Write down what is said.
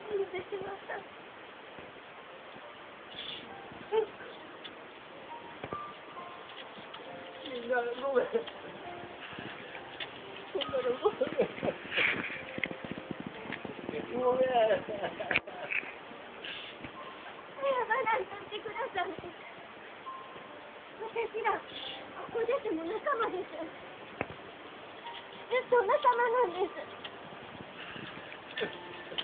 ずっと仲間なんです。